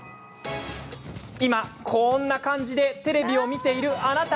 今、こんな感じでテレビを見ているあなた